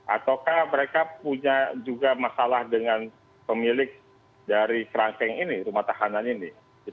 ataukah mereka punya juga masalah dengan pemilik dari kerangkeng ini rumah tahanan ini